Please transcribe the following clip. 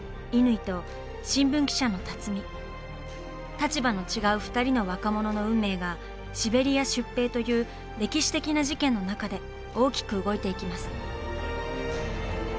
立場の違う２人の若者の運命が「シベリア出兵」という歴史的な事件の中で大きく動いていきます。